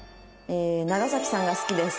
「長さんが好きです。